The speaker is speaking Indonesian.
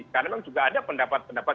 karena memang juga ada pendapat pendapat